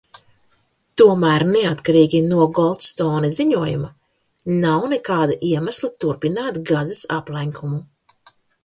Tomēr neatkarīgi no Goldstone ziņojuma nav nekāda iemesla turpināt Gazas aplenkumu.